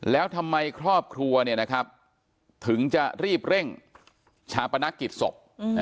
แล้วทำไมครอบครัวถึงจะรีบเร่งชาปนกิจศพ